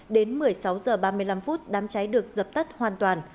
đến một mươi sáu giờ ba mươi năm phút đám cháy được dập tắt hoàn toàn